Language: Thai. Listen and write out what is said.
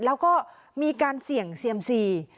แล้วก็มีการเสี่ยงเซียมซี